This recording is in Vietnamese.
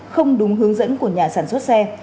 không đúng hướng dẫn của nhà sản xuất xe